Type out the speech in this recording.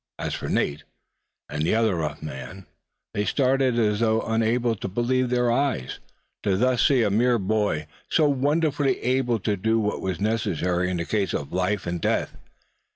As for Nate and the other rough man, they stared as though unable to believe their eyes, to thus see a mere boy so wonderfully able to do what was necessary in a case of life and death.